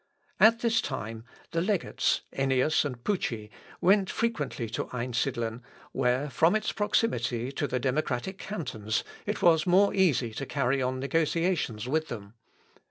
At this time the legates, Ennius and Pucci, went frequently to Einsidlen, where from its proximity to the democratic cantons, it was more easy to carry on negotiations with them.